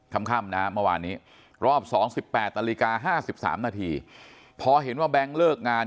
ค่ำนะเมื่อวานนี้รอบ๒๘นาฬิกา๕๓นาทีพอเห็นว่าแบงค์เลิกงาน